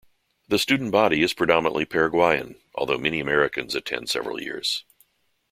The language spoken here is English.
The student body is predominantly Paraguayan, although many Americans attend several years.